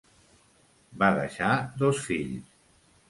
Va deixar dos fills.